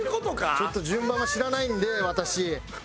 ちょっと順番は知らないんで私。